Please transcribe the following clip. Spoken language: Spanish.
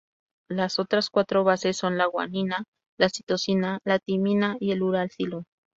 Las otras cuatro bases son la guanina, la citosina, la timina y el uracilo.